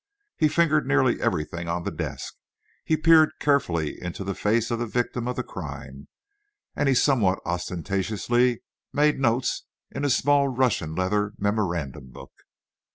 He fingered nearly everything on the desk; he peered carefully into the face of the victim of the crime, and he somewhat ostentatiously made notes in a small Russia leather memorandum book.